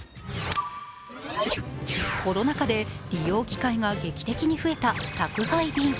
コロナ禍で利用機会が劇的に増えた宅配便。